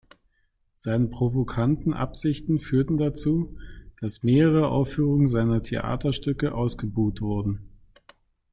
Seine provokativen Absichten führten dazu, dass mehrere Aufführungen seiner Theaterstücke ausgebuht wurden.